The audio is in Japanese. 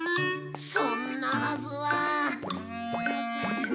そんなはずは。